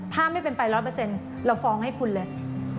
ถ้าไม่เป็นไป๑๐๐เราฟ้องให้คุณเลย